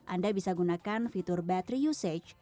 anda bisa gunakan fitur battery usage